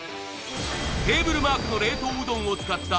テーブルマークの冷凍うどんを使った